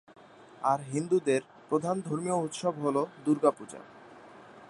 আর, হিন্দুদের প্রধান ধর্মীয় উৎসব হলো দুর্গাপূজা।